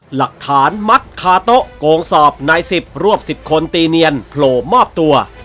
หลักฐานมัดคาโต๊ะโกงสอบนายสิบรวบ๑๐คนตีเนียนโผล่มอบตัว